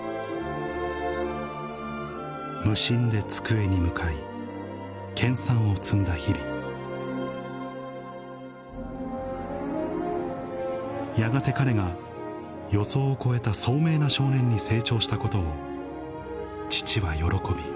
無心で机に向かい研さんを積んだ日々やがて彼が予想を超えた聡明な少年に成長したことを父は喜び